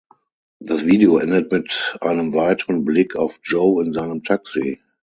Das Video endet mit einem weiteren Blick auf Joe in seinem Taxi.